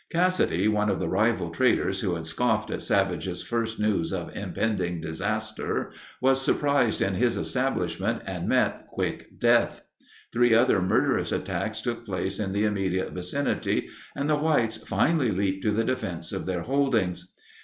Cassady, one of the rival traders who had scoffed at Savage's first news of impending disaster, was surprised in his establishment and met quick death. Three other murderous attacks took place in the immediate vicinity, and the whites finally leaped to the defense of their holdings.